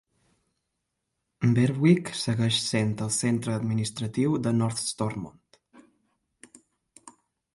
Berwick segueix sent el centre administratiu de North Stormont.